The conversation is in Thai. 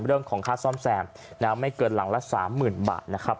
เรื่องของค่าซ่อมแซมไม่เกินหลังละ๓๐๐๐บาทนะครับ